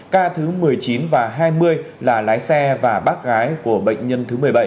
ca thứ một mươi chín và hai mươi là lái xe và bác gái của bệnh nhân thứ một mươi bảy